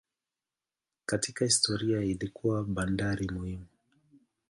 Katika historia ilikuwa bandari muhimu.